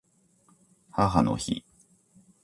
母の日